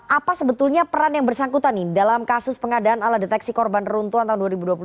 apa sebetulnya peran yang bersangkutan ini dalam kasus pengadaan ala deteksi korban runtuhan tahun dua ribu dua puluh dua